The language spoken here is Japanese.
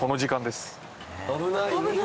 危ない！